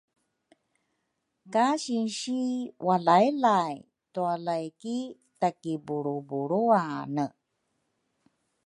Ka sinsi walaylay tualay ki takibulrubulruane.